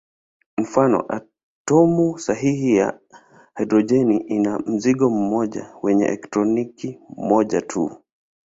Mfano: atomu sahili ya hidrojeni ina mzingo mmoja wenye elektroni moja tu.